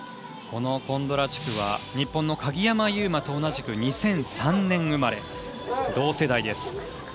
このコンドラチュクは日本の鍵山優真と同じく２００３年生まれ同世代です。